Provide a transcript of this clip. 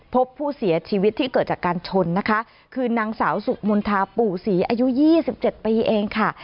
พบผู้เสียชีวิตที่เกิดจากการชนนะคะคือนางสาวสุมณฑาปู่ศรีอายุ๒๗ปีเองค่ะ